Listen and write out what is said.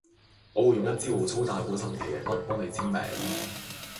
我會用一支好粗大好神奇嘅筆幫你簽名